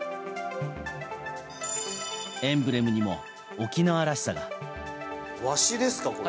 エンブレムにも沖縄らしさが。